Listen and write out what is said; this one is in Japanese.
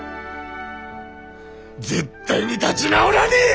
絶対に立ぢ直らねえ！